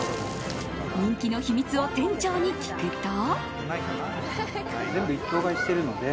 人気の秘密を店長に聞くと。